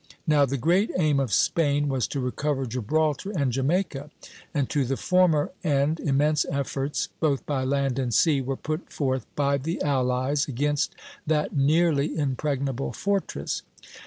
Now, the great aim of Spain was to recover Gibraltar and Jamaica; and to the former end immense efforts both by land and sea were put forth by the allies against that nearly impregnable fortress.